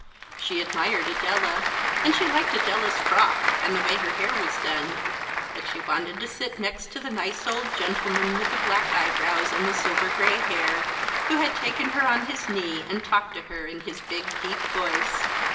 She admired Adela, and she liked Adela's frock, and the way her hair was done ; but she wanted to sit next the nice old gentleman with the black eyebrows and silver grey hair, who had taken her on his knee and talked to her in his big, deep voice.